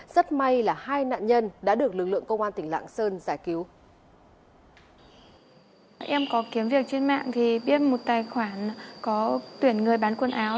rất may là hai nạn nhân đã được lực lượng công an tỉnh lạng sơn giải cứu